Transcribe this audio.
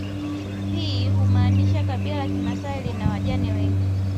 Hii humaanisha kabila la kimasai lina wajane wengi